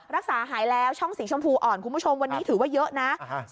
รักษาหายแล้วช่องสีชมพูอ่อนคุณผู้ชมวันนี้ถือว่าเยอะนะ